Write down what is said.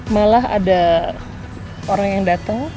malah ada orang yang datang